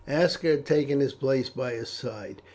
Aska had taken his place by his side.